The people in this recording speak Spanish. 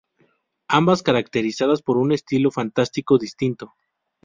Ambas caracterizadas por un estilo fantástico distinto.